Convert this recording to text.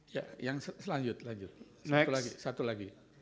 ya yang selanjut lanjut satu lagi